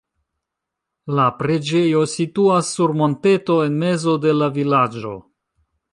La preĝejo situas sur monteto en mezo de la vilaĝo.